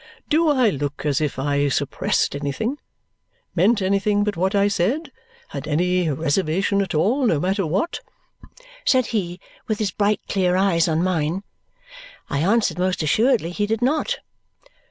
"Do I look as if I suppressed anything, meant anything but what I said, had any reservation at all, no matter what?" said he with his bright clear eyes on mine. I answered, most assuredly he did not.